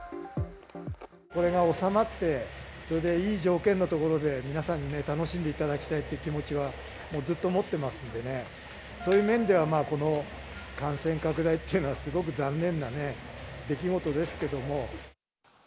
これが収まって、それでいい条件のところで皆さんにね、楽しんでいただきたいっていう気持ちはもうずっと持ってますんでね、そういう面では、この感染拡大っていうのは、すごく残念なね、出来事ですけれども。